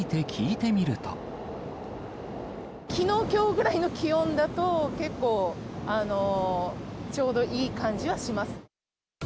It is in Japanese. きのう、きょうぐらいの気温だと、結構、ちょうどいい感じはします。